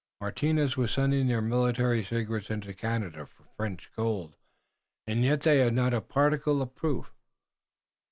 Martinus was sending their military secrets into Canada for French gold, and yet they had not a particle of proof.